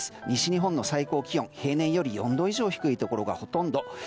西日本の最高気温平年より４度以上低いところがほとんど。